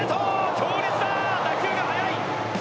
強烈だ、打球が速い！